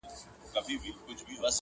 تر کارګه یې په سل ځله حال بتر دی!